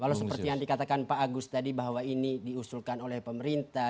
kalau seperti yang dikatakan pak agus tadi bahwa ini diusulkan oleh pemerintah